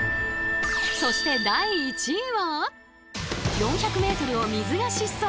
そして第１位は。